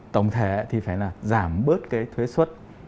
tổng thể thì phải là giảm bớt cái thuế xuất